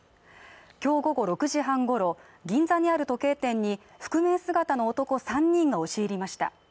今日午後６時半ごろ、銀座にある時計店に覆面姿の男３人が押し入りました。